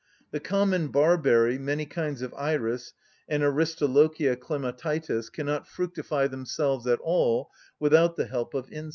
The common barberry, many kinds of iris, and Aristolochia Clematitis cannot fructify themselves at all without the help of insects (_Chr.